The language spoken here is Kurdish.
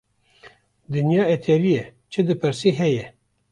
Dinya etariye çi dipirsî heye